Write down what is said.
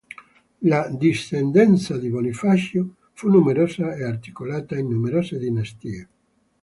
La discendenza di Bonifacio fu numerosa e articolata in numerose dinastie.